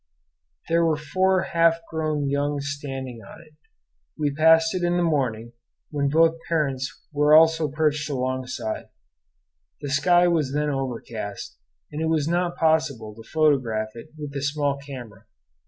There were four half grown young standing on it. We passed it in the morning, when both parents were also perched alongside; the sky was then overcast, and it was not possible to photograph it with the small camera.